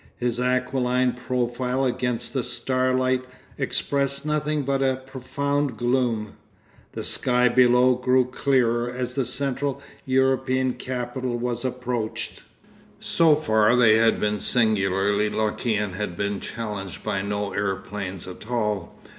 His aquiline profile against the starlight expressed nothing but a profound gloom. The sky below grew clearer as the Central European capital was approached. So far they had been singularly lucky and had been challenged by no aeroplanes at all.